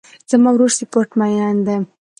زما ورور سپورټ مین ده